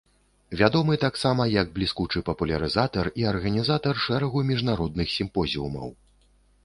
Вядомы таксама як бліскучы папулярызатар і арганізатар шэрагу міжнародных сімпозіумаў.